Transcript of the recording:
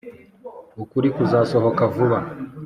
ukuri kuzasohoka vuba